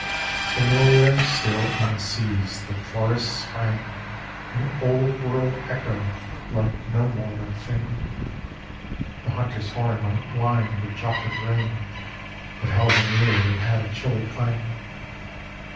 XXII Familiar, still unseized, the forest sprang An old world echo, like no mortal thing. The hunter's horn might wind a jocund ring, But held in ear it had a chilly clang.